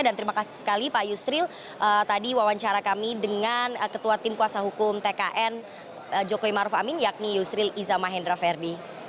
dan terima kasih sekali pak yusril tadi wawancara kami dengan ketua tim kuasa hukum tkn jokowi maruf amin yakni yusril iza mahendra ferdi